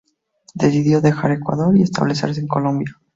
Decidió dejar Ecuador y establecerse en Colombia.